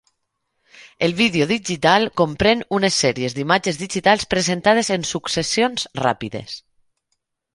El vídeo digital comprèn unes sèries d'imatges digitals presentades en successions ràpides.